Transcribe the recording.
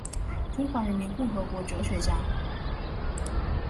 中华人民共和国哲学家。